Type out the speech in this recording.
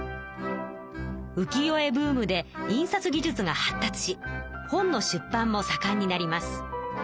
浮世絵ブームで印刷技術が発達し本の出版もさかんになります。